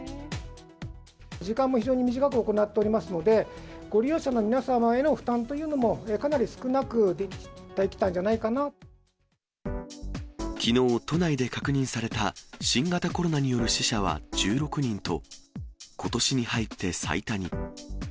時間も非常に短く行っておりますので、ご利用者の皆様への負担というのも、かなり少なくできたんじゃなきのう都内で確認された新型コロナによる死者は１６人と、ことしに入って最多に。